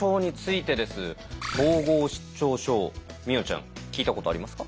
統合失調症美音ちゃん聞いたことありますか？